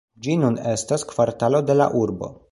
Ĝi nun estas kvartalo de la urbo.